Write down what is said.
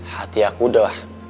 hati aku udah